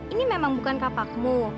ini memang bukan kapakmu